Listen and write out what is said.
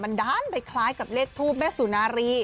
มันด้านไปคล้ายกับเลขทูปแม่สุนารี